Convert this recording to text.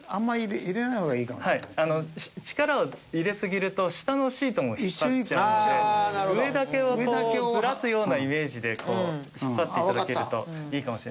力を入れすぎると下のシートも引っ張っちゃうので上だけをこうずらすようなイメージで引っ張って頂けるといいかもしれません。